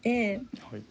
はい。